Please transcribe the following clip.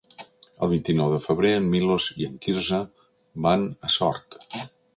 El vint-i-nou de febrer en Milos i en Quirze van a Sort.